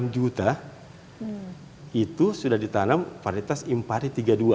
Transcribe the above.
dua enam juta itu sudah ditanam varietas impari tiga puluh dua